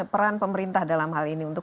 peran pemerintah dalam hal ini untuk